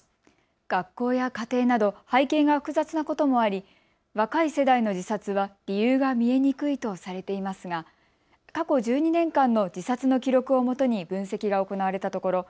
学校や家庭など背景が複雑なこともあり若い世代の自殺は理由が見えにくいとされていますが過去１２年間の自殺の記録をもとに分析が行われたところ